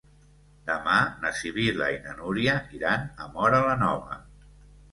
Demà na Sibil·la i na Núria iran a Móra la Nova.